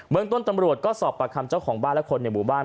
เมืองต้นตำรวจก็สอบปากคำเจ้าของบ้านและคนในหมู่บ้าน